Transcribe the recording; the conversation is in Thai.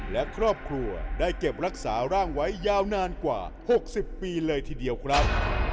และครอบครัวได้เก็บรักษาร่างไว้ยาวนานกว่า๖๐ปีเลยทีเดียวครับ